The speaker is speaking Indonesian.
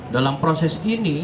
dalam proses ini